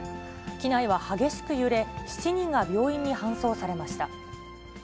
機内は激しく揺れ、７人が病院に搬送されました。